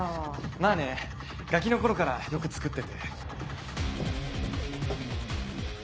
まぁねガキの頃からよく作ってて。